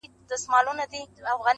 شپه د پرخي په قدم تر غېږي راغلې!.